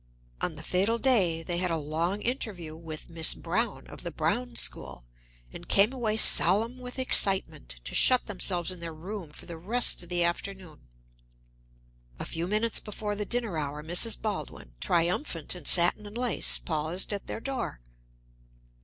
On the fatal day they had a long interview with Miss Browne, of the Browne School, and came away solemn with excitement, to shut themselves in their room for the rest of the afternoon. A few minutes before the dinner hour Mrs. Baldwin, triumphant in satin and lace, paused at their door.